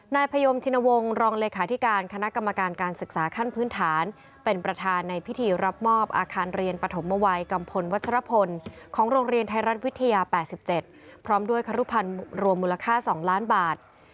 นายพยมชินวงศ์รองเลขาธิการคณะกรรมการการศึกษาขั้นพื้นฐานเป็นประธานในพิธีรับมอบอาคารเรียนปฐมวัยกัมพลวัชรพลของโรงเรียนไทยรัฐวิทยา๘๗พร้อมด้วยครุพันธ์รวมมูลค่า๒ล้านบาท